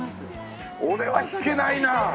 俺は弾けないな。